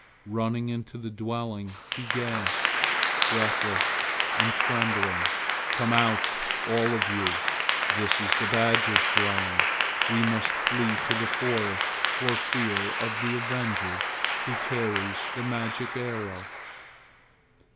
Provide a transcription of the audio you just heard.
Running into the dwelling he gasped, breathless and trembling, "Come out, all of you! This is the badger's dwelling. We must flee to the forest for fear of the avenger who carries the magic arrow."